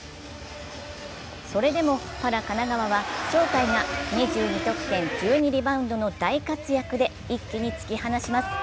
それでもパラ神奈川が鳥海が２２得点１２リバウンドの大活躍で一気に突き放します。